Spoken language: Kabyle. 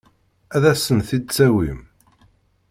Ad asen-t-id-tawim?